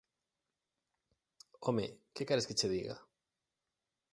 –Home, ¿que queres que che diga?